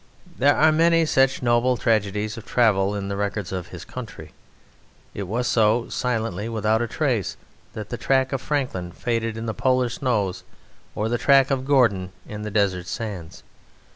There are many such noble tragedies of travel in the records of his country; it was so, silently without a trace, that the track of Franklin faded in the polar snows or the track of Gordon in the desert sands.